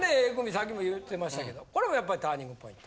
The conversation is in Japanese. さっきも言うてましたけどこれもやっぱりターニングポイント。